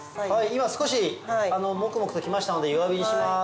今少しモクモクときましたので弱火にします。